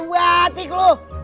pake batik lu